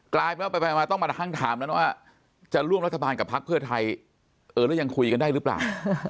กลายเป็นว่าไปมาต้องมาทั้งถามแล้วนะว่าจะร่วมรัฐบาลกับพักเพื่อไทยเออแล้วยังคุยกันได้หรือเปล่า